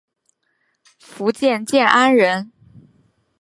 福建建安人。